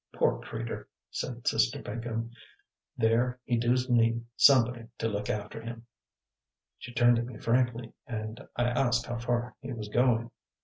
"Poor creatur'!" said Sister Pinkham. "There, he doos need somebody to look after him." She turned to me frankly, and I asked how far he was going.